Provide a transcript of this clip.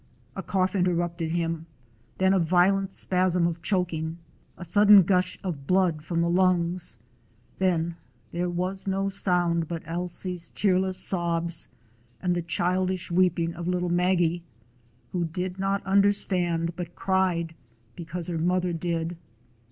A cough interrupted him, then a violent spasm of choking; a sudden gush of blood from the lungs, then there was no sound but Ailsie's tearless sobs and the childish weeping of little Maggie, who did not understand but cried because her mother did.